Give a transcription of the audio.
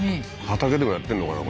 畑でもやってんのかな？